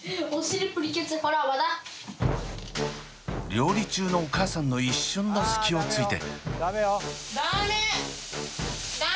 料理中のお母さんの一瞬の隙をついて。